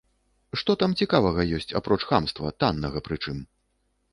Што там цікавага ёсць апроч хамства, таннага прычым?